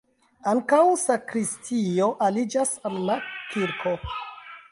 Ankaŭ sakristio aliĝas al la kirko.